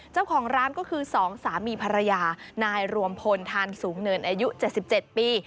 เจ้าของร้านก็คือสองสามีภรรยานายรวมพลธานสูงเนินอายุเจ็ดสิบเจ็ดปี